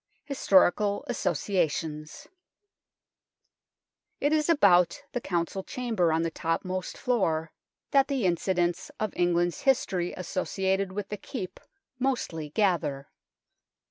HISTORICAL ASSOCIATIONS It is about the Council Chamber on the topmost floor that the incidents of England's THE NORMAN KEEP 33 history associated with the Keep mostly gather.